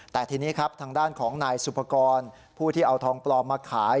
แต่ทีนี้ครับทางด้านของนายสุภกรผู้ที่เอาทองปลอมมาขาย